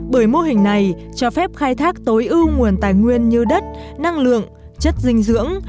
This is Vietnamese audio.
bởi mô hình này cho phép khai thác tối ưu nguồn tài nguyên như đất năng lượng chất dinh dưỡng